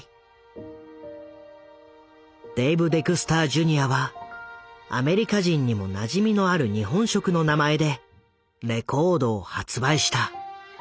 デイブ・デクスター・ジュニアはアメリカ人にもなじみのある日本食の名前でレコードを発売した。